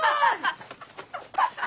ハハハハ！